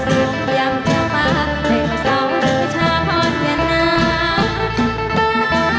โอ้เป็นเวลาส่วนมันแย่นมีนาน